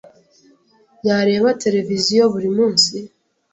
Yareba televiziyo buri munsi?